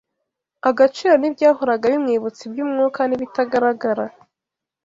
agaciro n’ibyahoraga bimwibutsa iby’umwuka n’ibitagaragara.